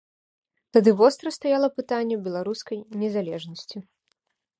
Тады востра стаяла пытанне беларускай незалежнасці.